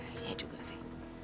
ya ya ya ya juga sih